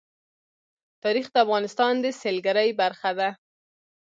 تاریخ د افغانستان د سیلګرۍ برخه ده.